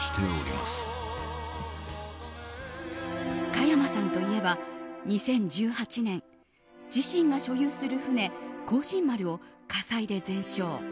加山さんといえば２０１８年、自身が所有する船「光進丸」を火災で全焼。